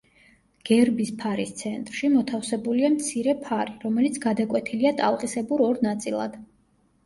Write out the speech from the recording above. გერბის ფარის ცენტრში მოთავსებულია მცირე ფარი, რომელიც გადაკვეთილია ტალღისებურ ორ ნაწილად.